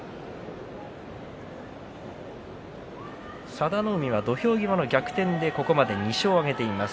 佐田の海は土俵際の逆転でここまで２勝を挙げています。